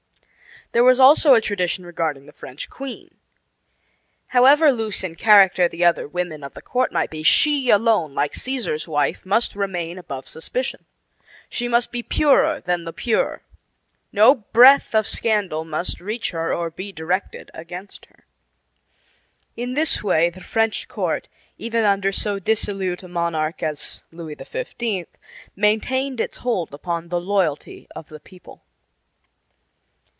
There was also a tradition regarding the French queen. However loose in character the other women of the court might be, she alone, like Caesar's wife, must remain above suspicion. She must be purer than the pure. No breath, of scandal must reach her or be directed against her. In this way the French court, even under so dissolute a monarch as Louis XV., maintained its hold upon the loyalty of the people.